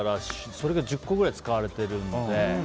それが１０個くらい使われてるので。